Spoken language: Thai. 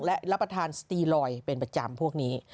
และรับประทานสตีลอยเป็นประจำพวกนี้